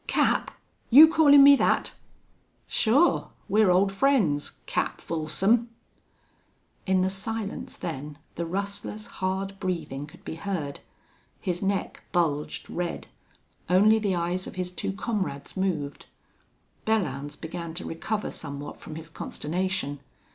"Cap! You callin' me thet?" "Sure. We're old friends Cap Folsom!" In the silence, then, the rustler's hard breathing could be heard; his neck bulged red; only the eyes of his two comrades moved; Belllounds began to recover somewhat from his consternation.